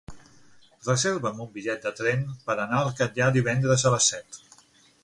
Reserva'm un bitllet de tren per anar al Catllar divendres a les set.